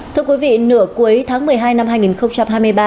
thưa quý vị nửa cuối tháng một mươi hai năm hai nghìn hai mươi ba